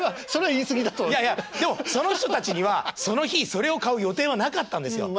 いやいやでもその人たちにはその日それを買う予定はなかったんですよ。